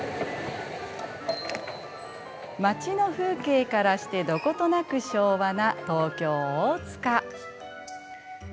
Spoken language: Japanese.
町の風景からしてどことなく昭和な東京・大塚。